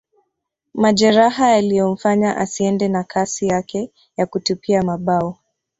Majeraha yaliyomfanya asiende na kasi yake ya kutupia mabao